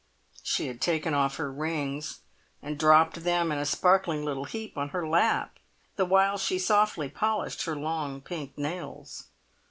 She had taken off her rings and dropped them in a sparkling little heap on her lap, the while she softly polished her long pink nails.